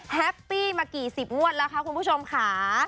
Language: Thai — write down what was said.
แฮปปี้มากี่สิบงวดแล้วคะคุณผู้ชมค่ะ